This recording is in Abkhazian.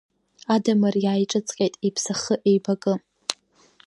Адамыр иааиҿыҵҟьеит, иԥсахы еибакы.